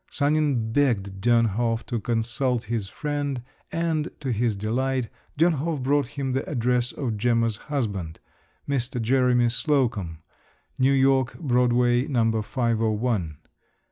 Sanin begged Dönhof to consult this friend, and, to his delight, Dönhof brought him the address of Gemma's husband, Mr. Jeremy Slocum, New York, Broadway, No. 501.